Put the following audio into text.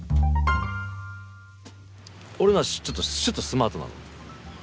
俺のはちょっとシュッとスマートなの。